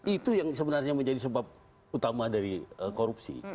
itu yang sebenarnya menjadi sebab utama dari korupsi